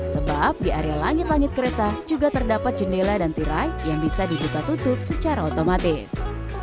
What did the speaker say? sebab di area langit langit kereta juga terdapat jendela dan tirai yang bisa dibuka tutup secara otomatis